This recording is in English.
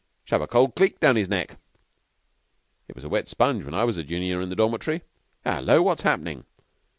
"Shove a cold cleek down his neck." "It was a wet sponge when I was junior in the dormitory... Hullo! What's happening?"